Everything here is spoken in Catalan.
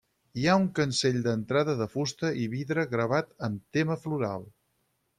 Hi ha un cancell d'entrada de fusta i vidre gravat amb tema floral.